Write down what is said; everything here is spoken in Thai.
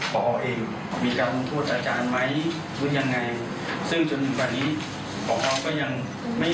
พอเองมีการลงโทษอาจารย์ไหมหรือยังไงซึ่งจนกว่านี้พอก็ยังไม่